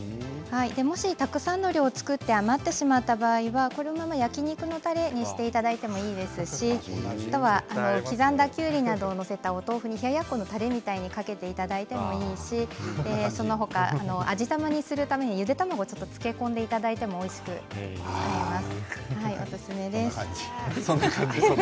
もしたくさんの量を作ってしまって余ってしまった場合は焼き肉のたれにしていただいてもいいですし刻んだきゅうりを載せたお豆腐に冷ややっこのたれみたいにかけていただいてもいいし味玉にするためにゆで卵を漬け込んでいただいてもおいしいです。